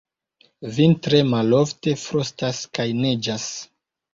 Vintre malofte frostas kaj neĝas.